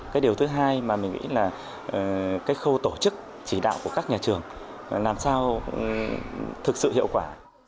cái điều thứ hai mà mình nghĩ là cái khâu tổ chức chỉ đạo của các nhà trường làm sao thực sự hiệu quả